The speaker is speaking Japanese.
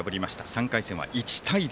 ３回戦は１対０。